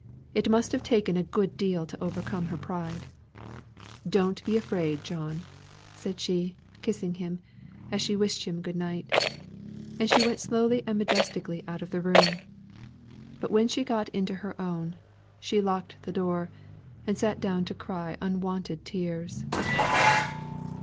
It must have taken a good deal to overcome her pride. Don't be afraid, John," said she, kissing him, as she wished him good night. And she went slowly and majestically out of the room. But when she got into her own, she locked the door, and sate down to cry unwonted tears.